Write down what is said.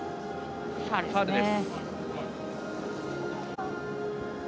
ファウルです。